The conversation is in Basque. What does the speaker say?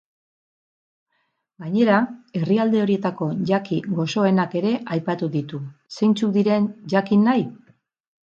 Gainera herrialde horietako jaki goxoenak ere aipatu ditu, zeintzuk diren jakin nahi?